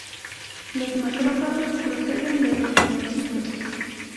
Los macrófagos proceden de los monocitos.